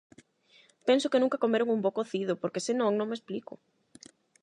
Penso que nunca comeron un bo cocido, porque senón, non me explico.